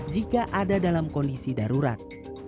jika ada dalam kondisi darurat